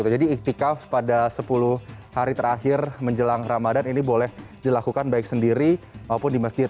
jadi iktikaf pada sepuluh hari terakhir menjelang ramadhan ini boleh dilakukan baik sendiri maupun di masjid